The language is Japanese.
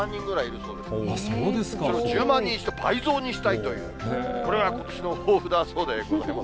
それを１０万人に、倍増にしたいという、これがことしの抱負だそうでございます。